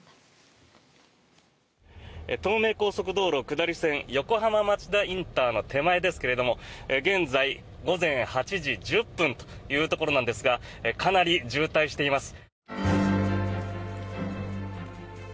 東名高速道路下り線横浜町田ＩＣの手前ですが現在、午前８時１０分というところなんですがかなり渋滞しています。